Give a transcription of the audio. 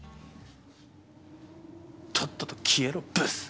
とっとと消えろブス。